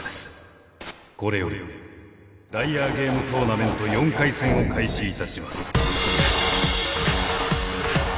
これよりＬＩＡＲＧＡＭＥトーナメント４回戦を開始いたします。